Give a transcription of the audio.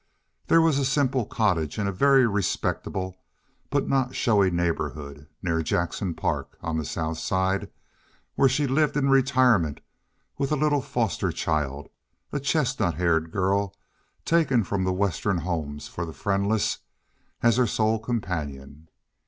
There was a simple cottage in a very respectable but not showy neighborhood near Jackson Park, on the South Side, where she lived in retirement with a little foster child—a chestnut haired girl taken from the Western Home for the Friendless—as her sole companion.